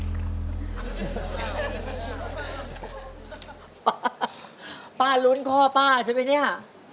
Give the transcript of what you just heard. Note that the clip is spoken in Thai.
ป้าป้ารุ้นข้อป้าใช่ไหมเนี่ย